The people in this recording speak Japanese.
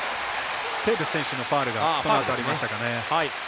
テーブス選手のファウルがそのあとありましたかね。